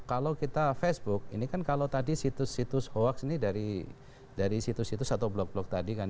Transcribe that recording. kalau kita facebook ini kan kalau tadi situs situs hoaks ini dari situs situs atau blog blog tadi kan